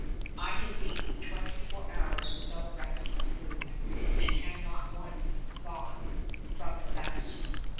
I had been twenty four hours without rest or food, and had not once gone from the bastion.